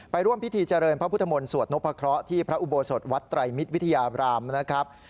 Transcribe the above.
ร่วมพิธีเจริญพระพุทธมนต์สวดนพะเคราะห์ที่พระอุโบสถวัดไตรมิตรวิทยาบรามนะครับ